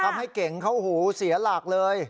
ทำให้เก่งเขาหูเสียหลักเลย